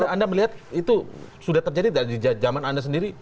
anda melihat itu sudah terjadi dari zaman anda sendiri